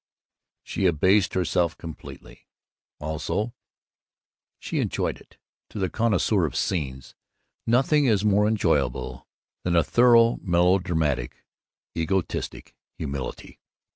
She abased herself completely. Also, she enjoyed it. To the connoisseur of scenes, nothing is more enjoyable than a thorough, melodramatic, egoistic humility.